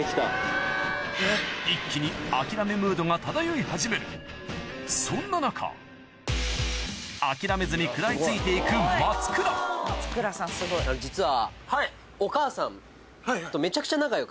一気に諦めムードが漂い始めるそんな中諦めずに食らいついて行く松倉実は。